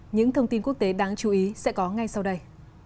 những thông tin quốc tế đáng chú ý sẽ có ngay sau đây